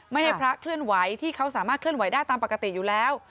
ให้พระเคลื่อนไหวที่เขาสามารถเคลื่อนไหวได้ตามปกติอยู่แล้ว